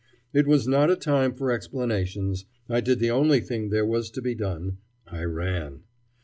It was not a time for explanations. I did the only thing there was to be done; I ran.